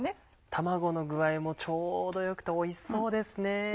卵の具合もちょうどよくておいしそうですね。